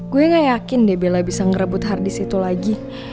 gua gak yakin deh bella bisa ngerebut hardis itu lagi